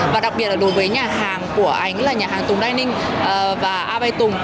và đặc biệt là đối với nhà hàng của ảnh là nhà hàng tùng đai ninh và a bay tùng